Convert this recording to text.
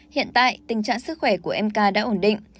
hiện tại tình trạng sức khỏe của em ca đã ổn định